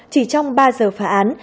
chỉ trong ba giờ phá án